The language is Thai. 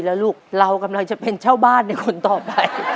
แล้วลูกเรากำลังจะเป็นเช่าบ้านในคนต่อไป